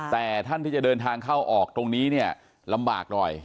แต่ท่านที่จะเดินทางเข้าออกตรงนี้เนี่ยลำบากหน่อย